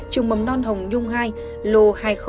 trung mầm non hồng nhung hai lô hai nghìn hai mươi một